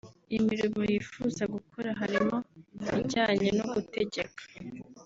Imirimo yifuza gukora harimo ijyanye no gutegeka